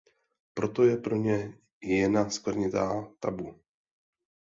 Proto je pro ně hyena skvrnitá tabu.